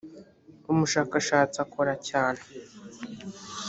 umushakashatsi akora cyane.